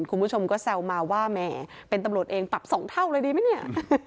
คุณผู้ชมก็แซวมาว่าแหมเป็นตำรวจเองปรับ๒เท่าเลยดีไหมเนี่ย